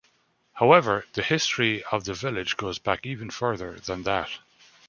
However, the history of the village goes back even further than that.